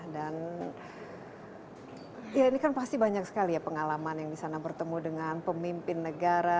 dan ini kan pasti banyak sekali pengalaman yang disana bertemu dengan pemimpin negara